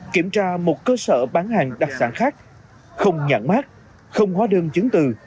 kiểm tra một cơ sở bán hàng đặc sản khác không nhãn mát không hóa đơn chứng từ